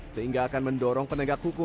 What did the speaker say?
sehingga akan mendorong penegak hukum